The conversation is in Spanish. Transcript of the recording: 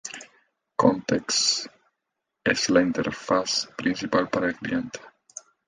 Context es la interfaz principal para el cliente.